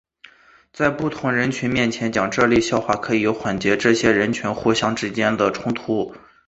在不同人群面前讲这类笑话可以缓解这些人群互相之间的冲突。